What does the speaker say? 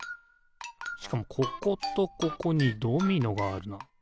しかもこことここにドミノがあるな。